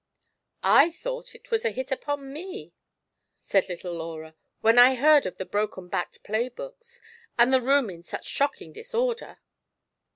" I thought that it was a hit upon me," said little Laura, " when I heard of the broken backed play books, and the room in such shocking disorder